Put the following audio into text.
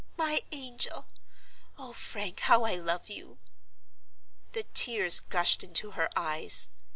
my angel! Oh, Frank, how I love you!" The tears gushed into her eyes.